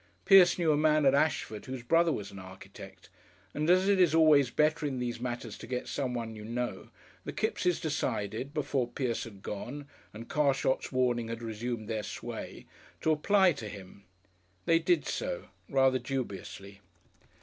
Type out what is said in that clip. Pierce knew a man at Ashford whose brother was an architect, and as it is always better in these matters to get someone you know, the Kippses decided, before Pierce had gone, and Carshot's warning had resumed their sway, to apply to him. They did so rather dubiously.